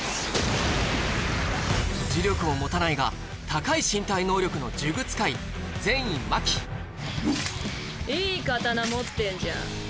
呪力を持たないが高い身体能力の呪具使い禪院真希いい刀持ってんじゃん。